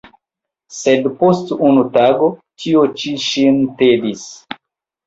Sed post unu tago tio ĉi ŝin tedis.